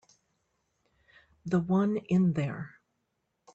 The one in there.